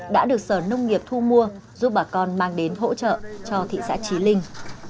đã được sở nông nghiệp thu mua giúp bà con mang đến hỗ trợ cho thị xã trí linh